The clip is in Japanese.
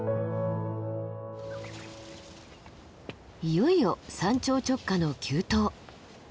いよいよ山頂直下の急登。